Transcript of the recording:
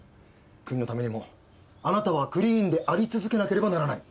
国のためにもあなたはクリーンであり続けなければならない。